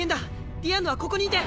ディアンヌはここにいて。